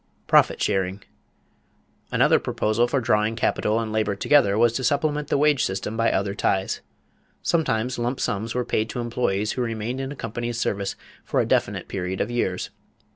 =Profit sharing.= Another proposal for drawing capital and labor together was to supplement the wage system by other ties. Sometimes lump sums were paid to employees who remained in a company's service for a definite period of years.